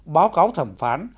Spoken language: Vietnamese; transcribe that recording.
báo cáo thẩm phán